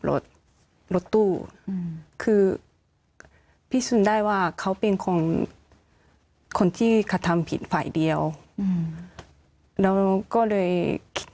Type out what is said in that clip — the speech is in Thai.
รถรถตู้คือพิสูจน์ได้ว่าเขาเป็นคนคนที่กระทำผิดฝ่ายเดียวเราก็เลยคิด